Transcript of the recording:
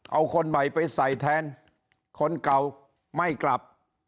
เอาคนใหม่ไปใส่แทนคนเก่าไม่กลับ